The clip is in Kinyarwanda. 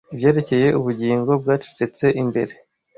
Ibyerekeye ubugingo bwacecetse imbere,